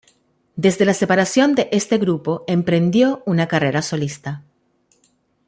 Desde la separación de este grupo, emprendió una carrera solista.